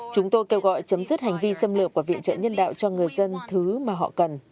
chúng tôi kêu gọi chấm dứt hành vi xâm lược và viện trợ nhân đạo cho người dân thứ mà họ cần